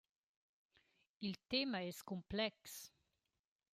Il tema es cumplex.